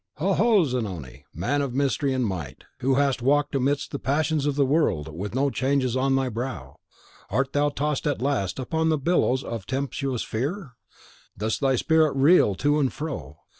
Ho ho, Zanoni! man of mystery and might, who hast walked amidst the passions of the world, with no changes on thy brow, art thou tossed at last upon the billows of tempestuous fear? Does thy spirit reel to and fro?